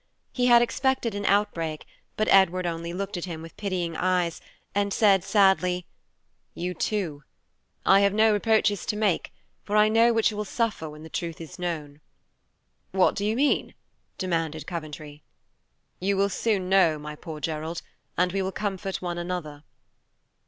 He had expected an outbreak, but Edward only looked at him with pitying eyes, and said sadly, "You too! I have no reproaches to make, for I know what you will suffer when the truth is known." "What do you mean?" demanded Coventry. "You will soon know, my poor Gerald, and we will comfort one another."